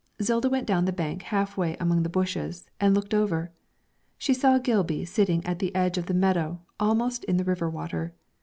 Zilda went down the bank halfway among the bushes and looked over. She saw Gilby sitting at the edge of the meadow almost in the river water.